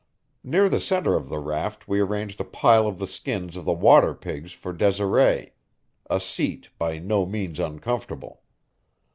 Near the center of the raft we arranged a pile of the skins of the water pigs for Desiree; a seat by no means uncomfortable.